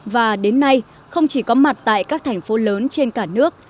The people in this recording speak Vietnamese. và đến nay không chỉ có mặt tại các thành phố lớn trên cả nước